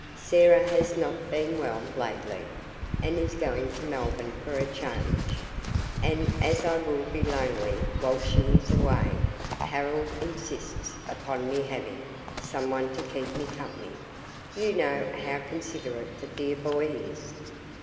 Sarah has not been well lately, and is going to Melbourne for a change, and as I will be lonely while she is away Harold insists upon me having someone to keep me company you know how considerate the dear boy is.